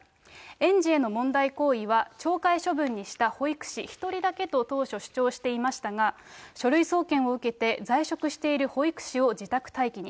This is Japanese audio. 園児への問題行為は懲戒処分にした保育士１人だけと当初主張していましたが、書類送検を受けて、在職している保育士を自宅待機に。